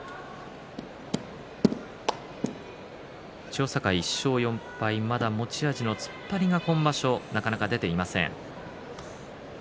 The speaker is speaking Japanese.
千代栄１勝４敗まだ持ち味の突っ張りが今場所なかなか出ていません。